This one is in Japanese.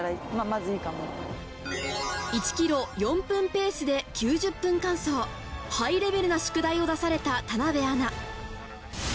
１ｋｍ４分ペースで９０分間走、ハイレベルな宿題を出された田辺アナ。